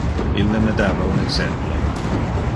Ille me dava un exemplo.